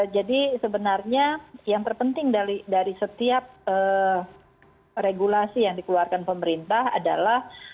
jadi sebenarnya yang terpenting dari setiap regulasi yang dikeluarkan pemerintah adalah